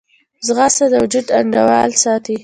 ځغاسته د وجود انډول ساتي